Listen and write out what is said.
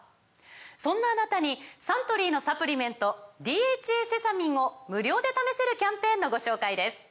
そんなあなたにサントリーのサプリメント「ＤＨＡセサミン」を無料で試せるキャンペーンのご紹介です